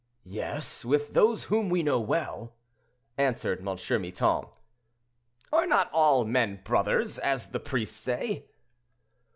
"Yes, with those whom we know well," answered M. Miton. "Are not all men brothers, as the priests say?"